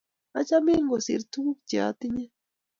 Achamin kosir tukul che atinye